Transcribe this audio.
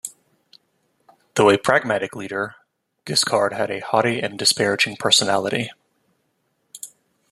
Though a pragmatic leader, Giscard had a haughty and disparaging personality.